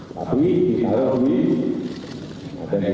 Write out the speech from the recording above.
saya tahu semuanya